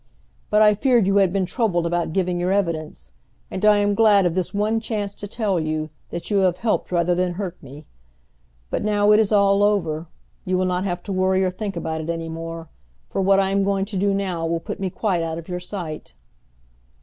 But I feared you had been troubled about giving your evidence, and I am glad of this one chance to tell you that you have helped rather than hurt me. But now it is all over; you will not have to worry or think about it any more, for what I am going to do now will put me quite out of your sight."